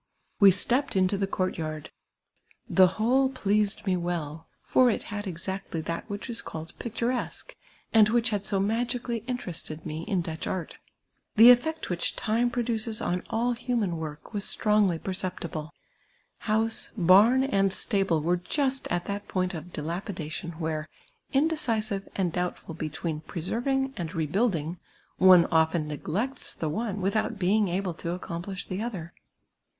\Ve stepped into the court yard; the whole pleased me well : for it had exactly that which is called ])ietures(iue, and wliieh had so magically interested mc in Dutch art. The effect which time produces on all human work was strongly j)erce])tible. House, barn, and stable were just at that point of dila])idation where, indecisive and doubt lid between preserving and rebuilding, one often neglects the one without being able to accomplish the other.